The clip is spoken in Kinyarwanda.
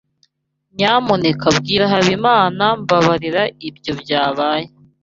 Nyamuneka bwira Habimana Mbabarira ibyo byabaye.